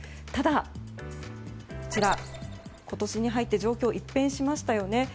ただ、今年に入って状況が一変しましたよね。